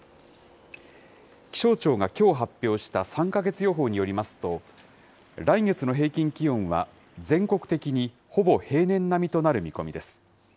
気象庁がきょう発表した３か月予報によりますと、来月の平均気温は全国的にほぼ平年並みとなる見込みです。